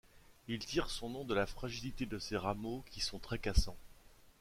Il tire son nom de la fragilité de ses rameaux qui sont très cassants.